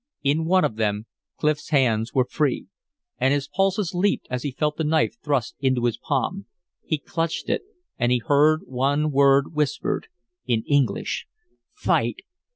In one of them Clif's hands were free. And his pulses leaped as he felt the knife thrust into his palm. He clutched it, and he heard one word whispered in English: "Fight!"